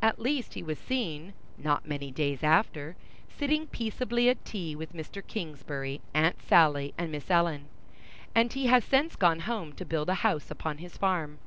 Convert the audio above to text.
At least he was seen, not many days after, sitting peaceably at tea with Mr. Kingsbury, Aunt Sally, and Miss Ellen; and he has since gone home to build a house upon his farm.